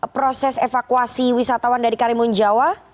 proses evakuasi wisatawan dari karimun jawa